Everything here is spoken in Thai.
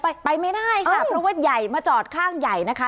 ไปไปไม่ได้ค่ะเพราะว่าใหญ่มาจอดข้างใหญ่นะคะ